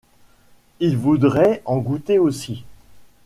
Il voudrait en goûter aussi !